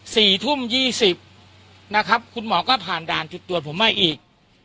สี่ทุ่มยี่สิบนะครับคุณหมอก็ผ่านด่านจุดตรวจผมมาอีก